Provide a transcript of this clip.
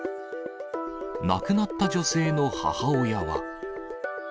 亡くなった女性の母親は。